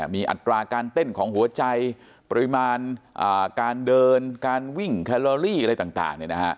มีอัตราการเต้นของหัวใจปริมาณการเดินการวิ่งแคลอรี่อะไรต่าง